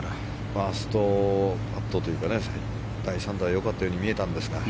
ファーストパットというか第３打は良かったように見えたんですが。